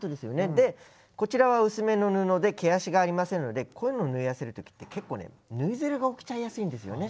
でこちらは薄めの布で毛足がありませんのでこういうの縫い合わせる時って結構ね縫いずれが起きちゃいやすいんですよね。